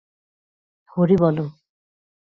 হরি বলো!